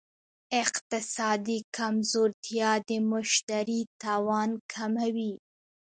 اقتصادي کمزورتیا د مشتري توان کموي.